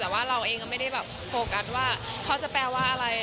แต่ว่าเราเองก็ไม่ได้แบบโฟกัสว่าเขาจะแปลว่าอะไร